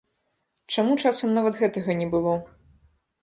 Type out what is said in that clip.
Чаму часам нават гэтага не было?